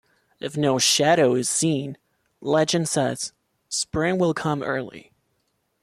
If no shadow is seen, legend says, spring will come early.